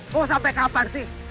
mau sampai kapan sih